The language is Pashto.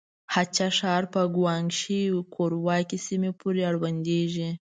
هه چه ښار په ګوانګ شي کورواکې سيمې پورې اړونديږي.